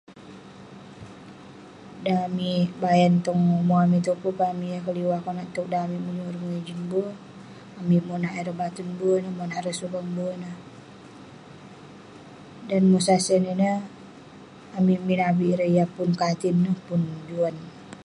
Dan amik bayan tong ume amik touk, pun peh amik keliwah konak tog dan amik menyuk ireh mengijin ber, amik monak ireh [unintelligible] ber ineh, monak suvang ber ineh. Dan mosah sen ineh, amik min avik ireh pun katin ineh, pun juan.